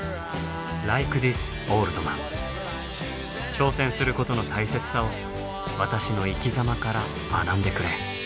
「挑戦することの大切さを私の生きざまから学んでくれ」。